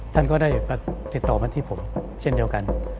ท่านก็ได้ติดต่อมาที่ผมเช่นเดียวกัน